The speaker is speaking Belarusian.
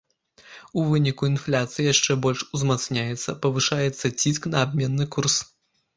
У выніку інфляцыя яшчэ больш узмацняецца, павышаецца ціск на абменны курс.